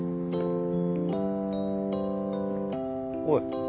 おい。